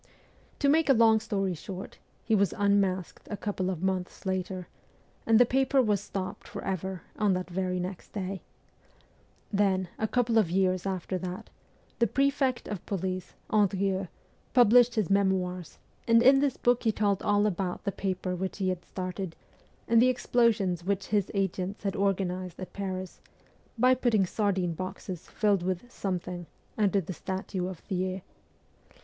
To make a long story short, he was unmasked a couple of months later, and the paper was stopped for ever on the very next day. Then, a couple of years after that, the prefect of police, Andrieux, published his ' Memoirs,' and in this book he told all about the paper which he had started and the explosions which his agents had organized at Paris, by pitting sardine boxes filled with ' something ' under the statue of Thiers.